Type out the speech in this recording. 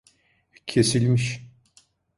Kesilmiş…